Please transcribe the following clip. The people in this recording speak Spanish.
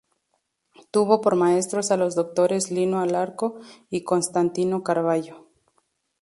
Tuvo por maestros a los doctores Lino Alarco y Constantino T. Carvallo.